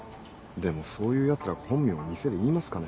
でもそういうヤツらが本名を店で言いますかね？